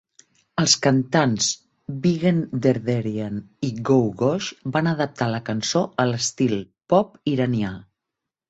Els cantants Vigen Derderian i Googoosh van adaptar la cançó a l'estil pop iranià.